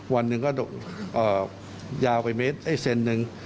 วันนึงก็โด่งยาวไปเมตรให้เซนนึง